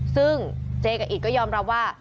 ซึ่งเจกับอิตก็ยอมรับว่า